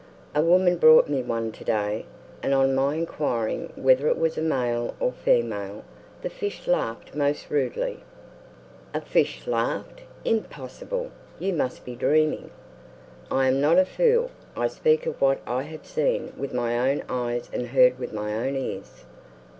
A woman brought me one to day, and on my inquiring whether it was a male or female, the fish laughed most rudely." "A fish laugh! Impossible! You must be dreaming." "I am not a fool. I speak of what I have seen with my own eyes and heard with my own ears."